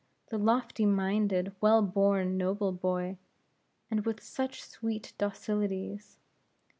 the lofty minded, well born, noble boy; and with such sweet docilities!